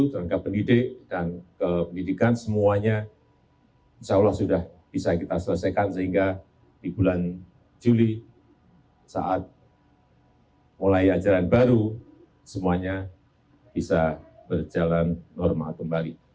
kerangka pendidik dan kependidikan semuanya insya allah sudah bisa kita selesaikan sehingga di bulan juli saat mulai ajaran baru semuanya bisa berjalan normal kembali